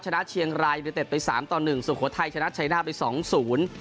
ชนะเชียงรายยูนิเต็ดไปสามต่อหนึ่งสุโขทัยชนะชัยหน้าไปสองศูนย์